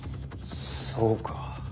そうか。